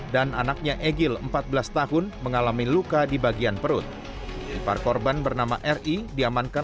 dan anaknya egil empat belas tahun mengalami luka di bagian perut ipar korban bernama ri diamankan